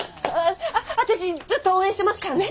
私ずっと応援してますからね！